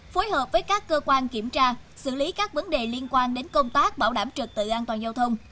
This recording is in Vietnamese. phối hợp với các cơ quan kiểm tra xử lý các vấn đề liên quan đến công tác bảo đảm trực tự an toàn giao thông